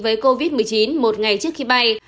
với covid một mươi chín một ngày trước khi bay